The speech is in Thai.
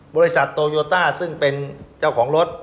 บริษัทโตโยต้าซึ่งเป็นเจ้าของรถ